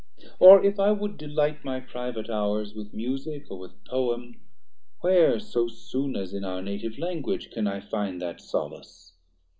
330 Or if I would delight my private hours With Music or with Poem, where so soon As in our native Language can I find That solace?